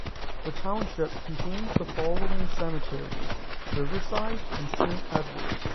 The township contains the following cemeteries: Riverside and Saint Edwards.